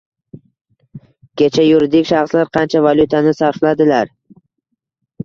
Kecha yuridik shaxslar qancha valyutani sarfladilar?